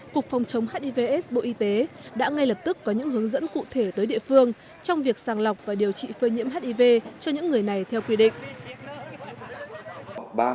cục phòng chống hivs bộ y tế đã ngay lập tức có những hướng dẫn cụ thể tới địa phương trong việc sàng lọc và điều trị phơi nhiễm hiv cho những người này theo quy định